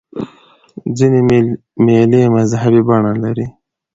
ځیني مېلې مذهبي بڼه لري.